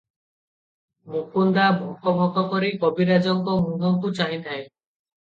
ମୁକୁନ୍ଦା ଭକଭକ କରି କବିରାଜଙ୍କ ମୁହଁକୁ ଚାହିଁଥାଏ ।